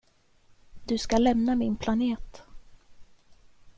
Du ska lämna min planet.